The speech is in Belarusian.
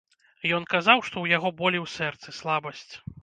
Ён казаў, што ў яго болі ў сэрцы, слабасць.